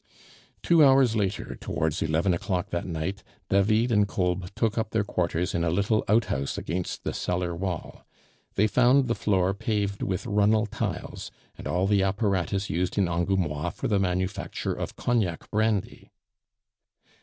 Two hours later, towards eleven o'clock that night, David and Kolb took up their quarters in a little out house against the cellar wall; they found the floor paved with runnel tiles, and all the apparatus used in Angoumois for the manufacture of Cognac brandy.